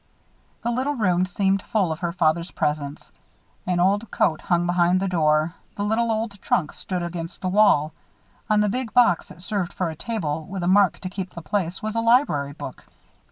The little room seemed full of her father's presence. An old coat hung behind the door. The little old trunk stood against the wall. On the big box that served for a table, with a mark to keep the place, was a library book.